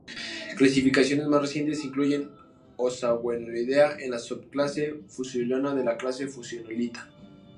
Clasificaciones más recientes incluyen Ozawainelloidea en la subclase Fusulinana de la clase Fusulinata.